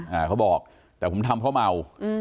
แหละเขาบอกแต่ผมทำเพราะเมา